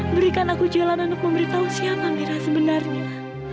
berikan aku jalan untuk memberitahu siapa mira sebenarnya